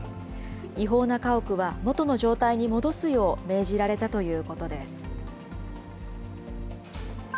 違法な家屋は元の状態に戻すよう命じられたということです。